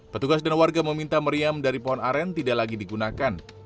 petugas dan warga meminta meriam dari pohon aren tidak lagi digunakan